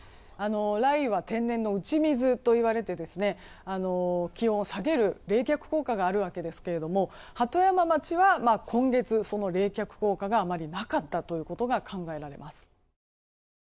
雷雨は、天然の打ち水といわれて気温を下げる冷却効果があるわけですけども鳩山町は今月冷却効果があまりなかったことが考えられます。